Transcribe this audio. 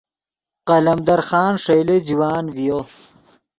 قلمدر خان ݰئیلے جوان ڤیو